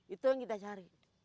itu yang kita cari